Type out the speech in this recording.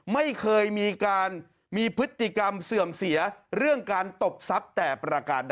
ไม่เคยมีพฤติกรรมเสื่อมเสียเรื่องการตบซับแต่ภรรกาฤต